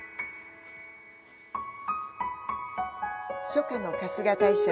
初夏の春日大社。